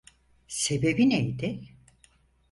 Sebebi neydi?